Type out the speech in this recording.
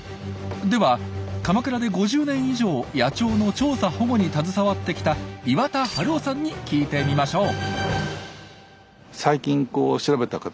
では鎌倉で５０年以上野鳥の調査・保護に携わってきた岩田晴夫さんに聞いてみましょう。